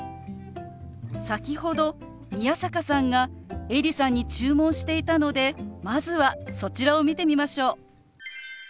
先ほど宮坂さんがエリさんに注文していたのでまずはそちらを見てみましょう。